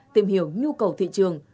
tìm hiểu nhu cầu thị trường